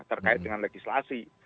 terkait dengan legislasi